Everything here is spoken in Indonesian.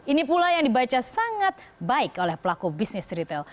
ini pula yang dibaca sangat baik oleh pelaku bisnis retail